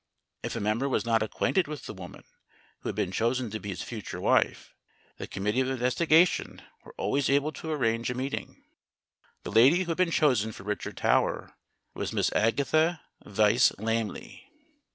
If a member was not acquainted with the woman who had been chosen to be his future wife, the Committee of In vestigation were always able to arrange a meeting. 78 STORIES WITHOUT TEARS The lady who had been chosen for Richard Tower was Miss Agatha Vyse Lamley.